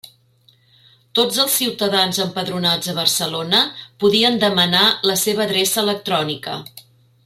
Tots els ciutadans empadronats a Barcelona podien demanar la seva adreça electrònica.